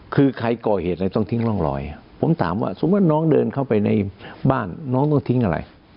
คือใครก่อเหตุอะไรต้องทิ้งร่องรอยผมถามว่าสมมุติน้องเดินเข้าไปในบ้านน้องต้องทิ้งอะไร